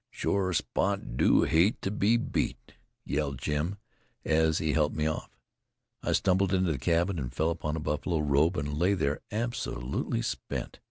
"Shore Spot do hate to be beat," yelled Jim, as he helped me off. I stumbled into the cabin and fell upon a buffalo robe and lay there absolutely spent.